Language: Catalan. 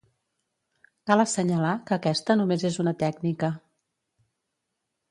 Cal assenyalar que aquesta només és una tècnica.